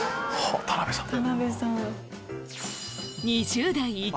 田辺さんだ！